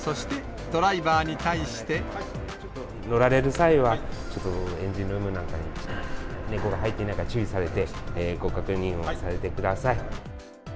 乗られる際は、ちょっとエンジンルームなんかに猫が入っていないか注意されて、ご確認をされてください。